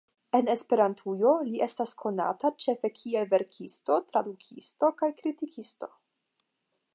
En Esperantujo, li estas konata ĉefe kiel verkisto, tradukisto kaj kritikisto.